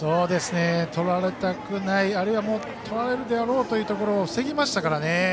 取られたくないけどあるいは取られるであろうというところを防ぎましたからね。